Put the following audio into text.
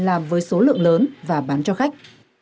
làm với số lượng lớn và bán cho khách